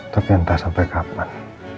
tapi entah sampai kapan